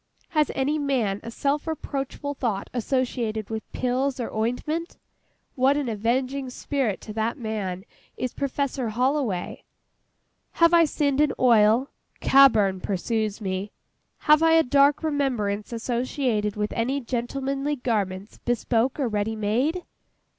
Has any man a self reproachful thought associated with pills, or ointment? What an avenging spirit to that man is PROFESSOR HOLLOWAY! Have I sinned in oil? CABBURN pursues me. Have I a dark remembrance associated with any gentlemanly garments, bespoke or ready made?